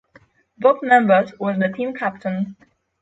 Bob Numbers was the team captain.